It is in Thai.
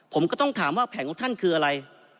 ผมก็ต้องถามว่าแผงของท่านคืออะไร